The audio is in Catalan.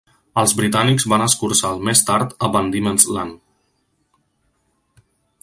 Els britànics van escurçar el més tard a Van Diemen's Land.